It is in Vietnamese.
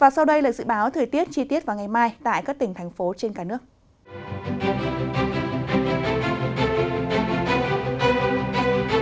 sau đây là dự báo thời tiết chi tiết vào ngày mai tại các tỉnh thành phố trên cả nước